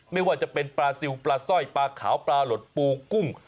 ไม่ว่าจะเป็นปลาซิลปลาสร้อยปลาขาวปลาหลดปูกุ้ง